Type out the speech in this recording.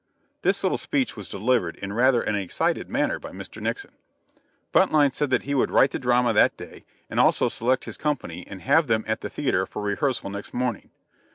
This little speech was delivered in rather an excited manner by Mr. Nixon. Buntline said that he would write the drama that day and also select his company and have them at the theater for rehearsal next morning.